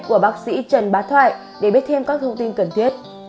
của bác sĩ trần bá thoại để biết thêm các thông tin cần thiết